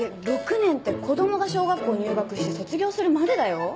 ６年って子供が小学校入学して卒業するまでだよ。